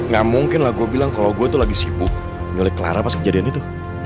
gak mungkin lah gue bilang kalau gue tuh lagi sibuk nyulik clara pas kejadian itu